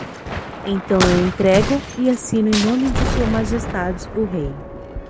Então eu entrego e assino em nome de Sua Majestade o Rei.